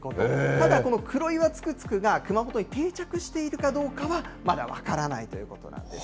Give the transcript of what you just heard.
ただ、このクロイワツクツクが、熊本に定着しているかどうかはまだ分からないということなんです。